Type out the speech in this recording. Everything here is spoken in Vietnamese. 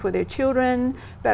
cho câu hỏi này